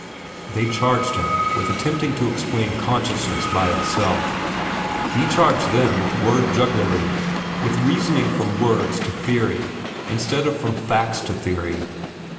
They charged him with attempting to explain consciousness by itself. He charged them with word jugglery, with reasoning from words to theory instead of from facts to theory.